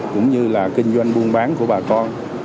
cũng như là kinh doanh buôn bán của bà con